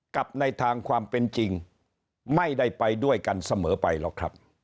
กับในทางความเป็นจริงไม่ได้ไปด้วยกันเสมอไปหรอกครับ